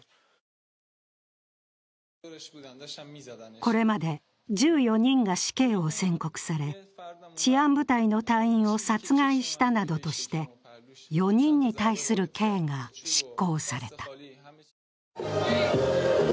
これまで１４人が死刑を宣告され治安部隊の隊員を殺害したなどとして、４人対する刑が執行された。